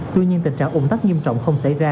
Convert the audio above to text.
tuy nhiên tình trạng ủng tắc nghiêm trọng không xảy ra